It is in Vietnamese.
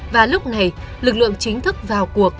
và lúc này lực lượng chính thức vào cuộc